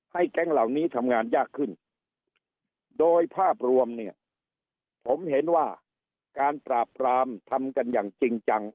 แก๊งเหล่านี้ทำงานยากขึ้นโดยภาพรวมเนี่ยผมเห็นว่าการปราบปรามทำกันอย่างจริงจัง